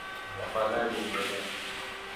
Tafadhali endelea.